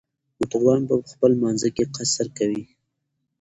موټروان به په خپل لمانځه کې قصر کوي